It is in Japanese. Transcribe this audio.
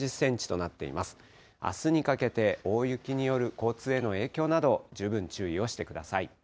あすにかけて、大雪による交通への影響など、十分注意をしてください。